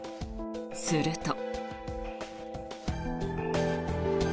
すると。